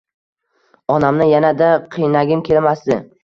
Onamni yanada qiynagim kelmasdi.